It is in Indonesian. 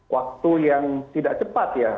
waktu yang tidak cepat ya